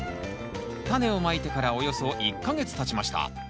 タネをまいてからおよそ１か月たちました